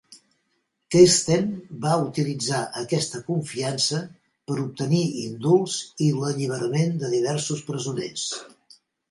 Kersten va utilitzar aquesta confiança per obtenir indults i l'alliberament de diversos presoners.